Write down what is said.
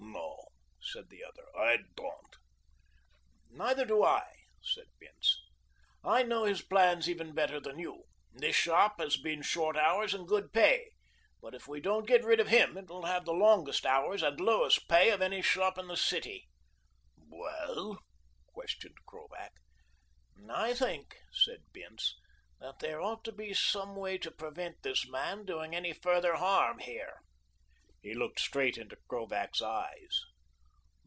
"No," said the other, "I don't." "Neither do I," said Bince. "I know his plans even better than you. This shop has short hours and good pay, but if we don't get rid of him it will have the longest hours and lowest pay of any shop in the city." "Well?" questioned Krovac. "I think," said Bince, "that there ought to be some way to prevent this man doing any further harm here." He looked straight into Krovac's eyes.